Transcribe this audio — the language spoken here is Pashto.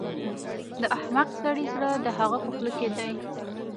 د احمق سړي زړه د هغه په خوله کې دی.